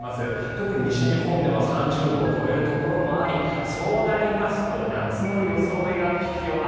特に西日本では３０度を超えるところもありそうなりますと夏の装いが必要。